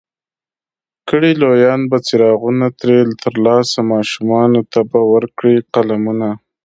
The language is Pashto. کړي لویان به څراغونه ترې ترلاسه، ماشومانو ته به ورکړي قلمونه